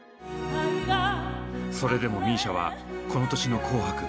それでもＭＩＳＩＡはこの年の「紅白」。